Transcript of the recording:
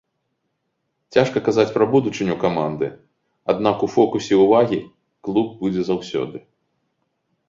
Цяжка казаць пра будучыню каманды, аднак у фокусе ўвагі клуб будзе заўсёды.